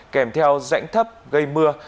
kèm theo rãnh thấp gây mưa